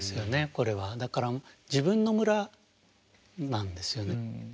だから自分の村なんですよね。